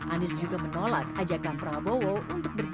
anies juga menolak ajakan prabowo untuk bertindak